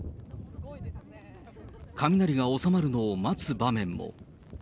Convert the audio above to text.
雷が収まるのを待つ場面も。